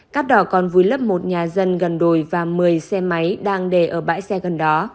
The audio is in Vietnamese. cát đỏ còn vùi lấp một nhà dân gần đồi và một mươi xe máy đang để ở bãi xe gần đó